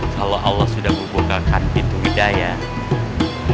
kalau allah sudah membukakan pintu hidayah